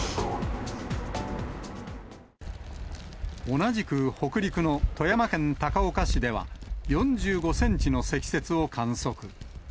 同じく北陸の富山県高岡市では、４５センチの積雪を観測。